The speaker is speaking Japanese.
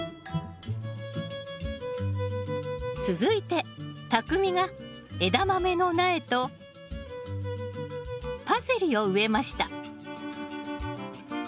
続いてたくみがエダマメの苗とパセリを植えました。